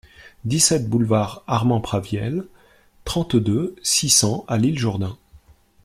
dix-sept boulevard Armand Praviel, trente-deux, six cents à L'Isle-Jourdain